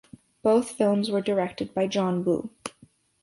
Both films were directed by John Woo.